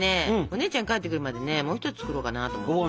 お姉ちゃん帰ってくるまでねもう一つ作ろうかなと思って。